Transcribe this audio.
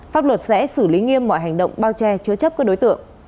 pháp luật sẽ xử lý nghiêm mọi hành động bao che chứa chấp các đối tượng